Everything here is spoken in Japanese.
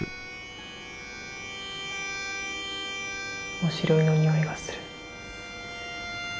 おしろいの匂いがする。